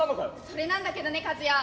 「それなんだけどねカズヤ。